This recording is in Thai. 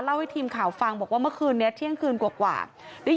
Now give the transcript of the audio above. ให้ทีมข่าวฟังบอกว่าเมื่อคืนนี้เที่ยงคืนกว่าได้